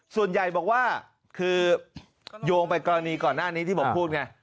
ส่วนใหญ่บอกว่าคือโยงไปกรณีก่อนหน้านี้ที่ผมพูดไง